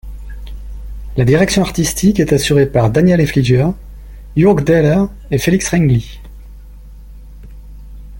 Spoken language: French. La direction artistique est assurée par Daniel Haefliger, Jürg Dähler et Felix Renggli.